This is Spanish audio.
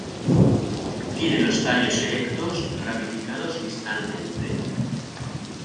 Tiene lois tallos erectos, ramificados distalmente.